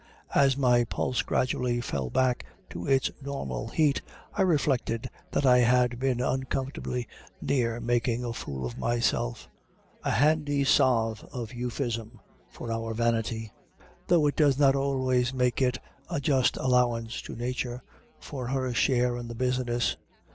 As my pulse gradually fell back to its normal beat, I reflected that I had been uncomfortably near making a fool of myself, a handy salve of euphuism for our vanity, though it does not always make a just allowance to Nature for her share in the business.